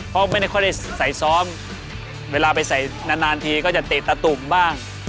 เพราะไม่ได้ค่อยได้ใส่ซ้อมเวลาไปใส่นานทีก็จะเตะตะตุ่มบ้าง